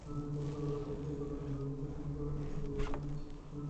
কোনও খেলোয়াড়ই তার প্রতিপক্ষকে দন্ড টেনে ভারসাম্যহীন করে দূরে সরিয়ে দিতে পারে না।